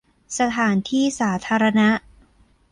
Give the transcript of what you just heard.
สถานที่สาธารณะ